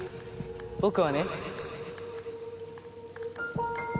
僕はね。